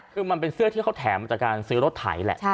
คือมันเป็นเสื้อที่เขาแถมมาจากการซื้อรถไถแหละ